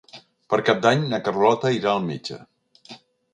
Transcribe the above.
Per Cap d'Any na Carlota irà al metge.